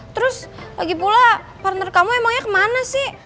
terus lagi pula partner kamu emangnya kemana sih